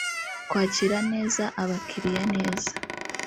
kwakira neza abakiriya neza